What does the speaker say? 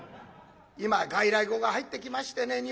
今は外来語が入ってきましてね